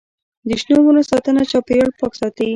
د شنو ونو ساتنه چاپیریال پاک ساتي.